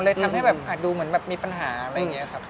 เลยทำให้ดูเหมือนมีปัญหาอะไรอย่างนี้ครับ